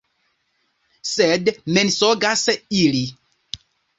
Sed mensogas ili!